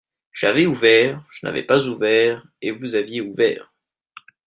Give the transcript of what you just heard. J'avais ouvert, je n'avais pas ouvert, et vous aviez ouvert